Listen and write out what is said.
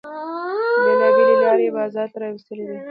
بیلابیلې لارې یې بازار ته را ویستلې دي.